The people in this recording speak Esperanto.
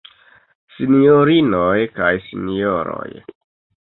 Sinjorinoj kaj Sinjoroj!